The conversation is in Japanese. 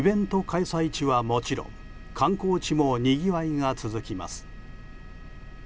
開催地はもちろん観光地もにぎわいが続きます。